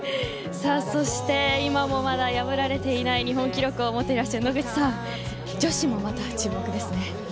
そして、今もまだ破られていない日本記録を持っていらっしゃる、野口さん女子もまた注目ですね。